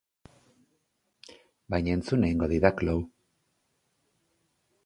Baina entzun egingo didak, Lou.